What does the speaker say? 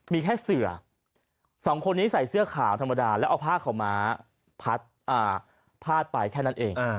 มีแค่เสือสองคนนี้ใส่เสื้อขาวธรรมดาแล้วเอาผ้าขาวม้าพาดไปแค่นั้นเอง